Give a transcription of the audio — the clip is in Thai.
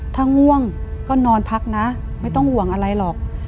ถ้าง่วงก็นอนพักนะไม่ต้องห่วงอะไรหรอก